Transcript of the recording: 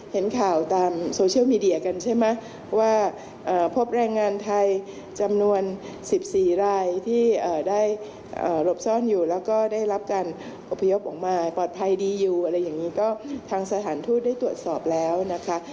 หลบซ่อนอยู่แล้วก็ได้รับการอพยพออกมาปลอดภัยดีอยู่อะไรอย่างนี้ก็ทางสถานทูตได้ตรวจสอบแล้วนะคะ